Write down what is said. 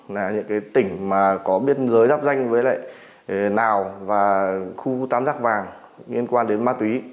là những tỉnh có biên giới giáp danh với lại nào và khu tám giác vàng liên quan đến ma túy